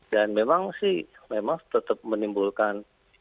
dan memang sih memang tetap menimbulkan